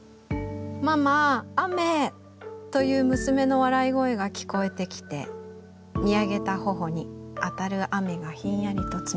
『ママー雨ー！』という娘の笑い声が聞こえてきて見上げた頬に当たる雨がひんやりと冷たかった」。